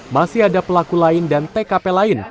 masih ada pelaku lain dan tkp lain